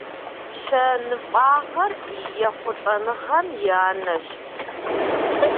Щэныфӏагъэр ехъулӏэныгъэм и анэщ.